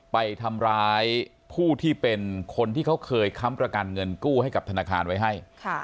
ไปทำร้ายผู้ที่เป็นคนที่เขาเคยค้ำประกันเงินกู้ให้กับธนาคารไว้ให้